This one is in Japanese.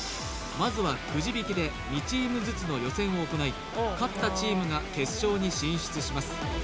まずはくじ引きで２チームずつの予選を行い勝ったチームが決勝に進出します